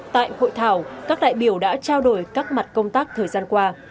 tại hội thảo các đại biểu đã trao đổi các mặt công tác thời gian qua